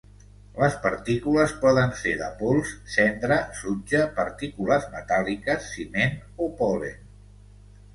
Les partícules poden ser de pols, cendra, sutge, partícules metàl·liques, ciment o pol·len.